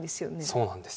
そうなんですよ。